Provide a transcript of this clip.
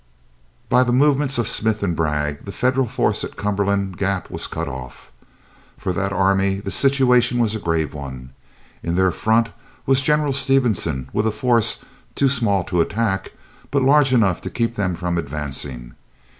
By the movements of Smith and Bragg the Federal force at Cumberland Gap was cut off. For that army the situation was a grave one. In their front was General Stevenson with a force too small to attack, but large enough to keep them from advancing.